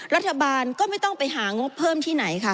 รัฐบาลก็ไม่ต้องไปหางบเพิ่มที่ไหนค่ะ